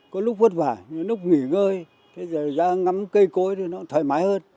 có lúc vất vả lúc nghỉ ngơi cái giờ ra ngắm cây cối thì nó thoải mái hơn